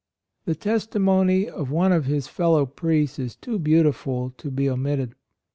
" The testimony of one of his fellow priests is too beautiful to be omitted.